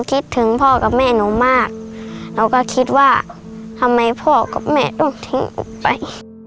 เราก็คิดว่าทำไมพวกเขาไม่ต้องทิ้งช์เราไป